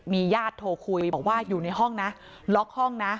ญาติโทรคุยบอกว่าอยู่ในห้องนะล็อกห้องนะ